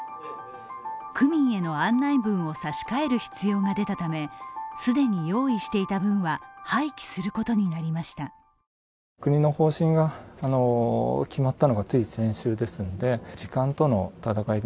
区民への案内文を差し替える必要が出たため、既に用意していた分は廃棄することになりました。